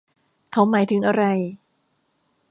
เขาหมายถึงอะไร